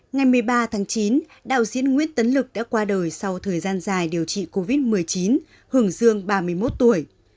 ngày một mươi ba tháng chín đạo diễn nguyễn tấn lực đã qua đời sau thời gian dài điều trị covid một mươi chín hưởng dương ba mươi một tuổi